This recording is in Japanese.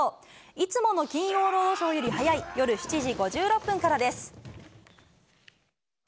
いつもの金曜ロードショーより早い夜７時５６分からです。